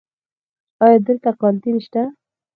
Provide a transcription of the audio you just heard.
ایا دلته کانتین شته؟